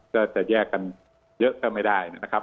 ก็จะแยกกันเยอะก็ไม่ได้นะครับ